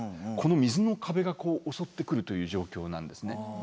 この水の壁がこう襲ってくるという状況なんですね。